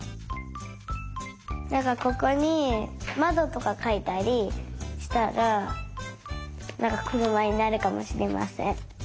なんかここにまどとかかいたりしたらなんかくるまになるかもしれません。